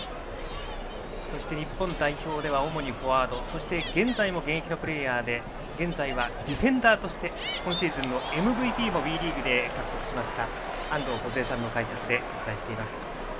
そして日本代表では主にフォワードそして現在も現役のプレーヤーで現在はディフェンダーとして今シーズンのＭＶＰをＷＥリーグで獲得しました安藤梢さんの解説でお伝えしています。